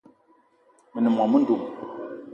Me ne mô-mendum